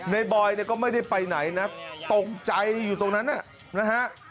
บอยเนี่ยก็ไม่ได้ไปไหนนะตกใจอยู่ตรงนั้นนะฮะ